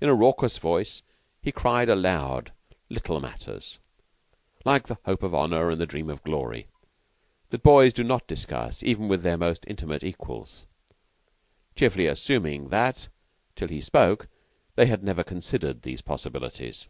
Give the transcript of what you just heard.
In a raucous voice, he cried aloud little matters, like the hope of Honor and the dream of Glory, that boys do not discuss even with their most intimate equals, cheerfully assuming that, till he spoke, they had never considered these possibilities.